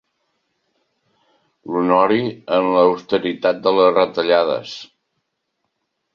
L'honori en l'austeritat de les retallades.